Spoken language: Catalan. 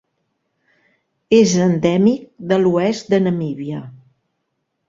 És endèmic de l'oest de Namíbia.